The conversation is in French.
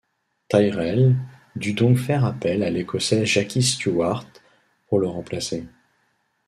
Tyrrell dut donc faire appel à l'Écossais Jackie Stewart pour le remplacer.